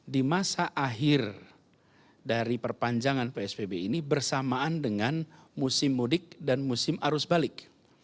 di masa akhir dari perpanjangan psbb ini bersamaan dengan musim mudik dan musim arus balik